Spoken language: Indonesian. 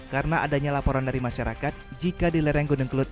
karena adanya laporan dari masyarakat jika di lereng gunung kelut